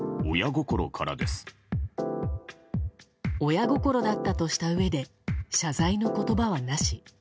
親心だったとしたうえで謝罪の言葉はなし。